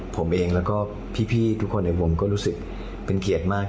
ผมเองแล้วก็พี่ทุกคนในวงก็รู้สึกเป็นเกียรติมาก